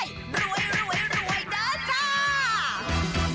โปรดติดตามตอนต่อไป